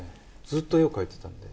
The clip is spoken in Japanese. ずっと絵を描いてたんで。